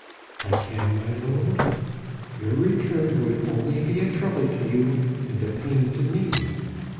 "I can, my lord. Your return would only be a trouble to you, and a pain to me.